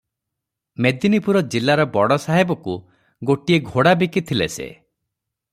ମେଦିନୀପୁର ଜିଲ୍ଲାର ବଡ଼ ସାହେବକୁ ଗୋଟିଏ ଘୋଡ଼ାବିକି ଥିଲେ ସେ ।